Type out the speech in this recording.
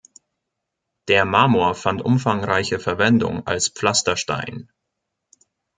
Der Marmor fand umfangreiche Verwendung als Pflasterstein.